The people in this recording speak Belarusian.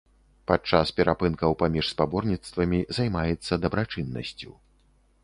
Падчас перапынкаў паміж спаборніцтвамі займаецца дабрачыннасцю.